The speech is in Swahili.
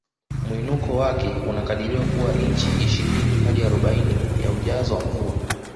Mwinuko wake unakadiriwa kuwa inchi ishirini hadi arobaini ya ujazo wa mvua